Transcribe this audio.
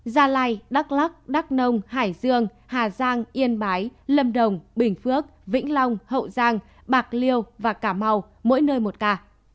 gia lai đắk lắc đắk nông hải dương hà giang yên bái lâm đồng bình phước vĩnh long hậu giang bạc liêu và cà mau mỗi nơi một ca